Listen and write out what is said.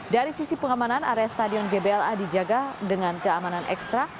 dari sisi pengamanan area stadion gbla dijaga dengan keamanan ekstra